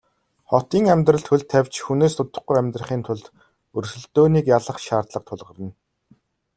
Хотын амьдралд хөл тавьж хүнээс дутахгүй амьдрахын тулд өрсөлдөөнийг ялах шаардлага тулгарна.